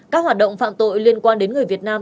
các hoạt động phạm tội liên quan đến người việt nam